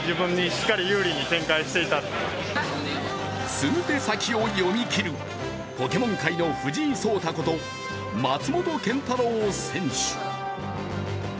数手先を読み切るポケモン界の藤井聡太こと松本健太郎選手。